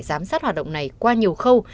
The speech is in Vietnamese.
giám sát hoạt động này qua nhiều khâu